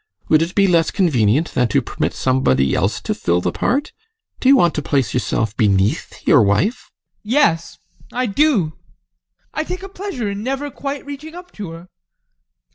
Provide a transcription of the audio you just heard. Would it be less convenient than to permit somebody else to fill the part? Do you want to place yourself beneath your wife? ADOLPH. Yes, I do. I take a pleasure in never quite reaching up to her.